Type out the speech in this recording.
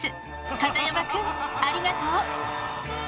片山くんありがとう！